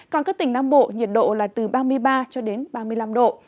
còn các tỉnh nam bộ nhiệt độ là từ ba mươi ba ba mươi năm độ